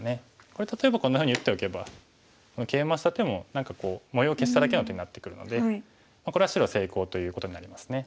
これ例えばこんなふうに打っておけばケイマした手も何か模様を消しただけの手になってくるのでこれは白成功ということになりますね。